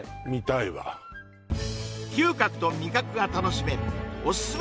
嗅覚と味覚が楽しめるオススメ